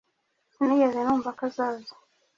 Sinigeze numva ko azaza